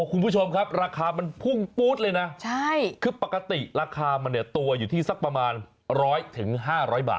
คุณผู้ชมครับราคามันพุ่งปู๊ดเลยนะคือปกติราคามันเนี่ยตัวอยู่ที่สักประมาณ๑๐๐๕๐๐บาท